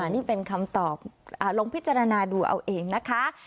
นี่เป็นคำตอบลองพิจารณาดูเอาเองนะคะ